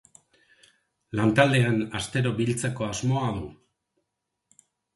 Lantaldean astero biltzeko asmoa du.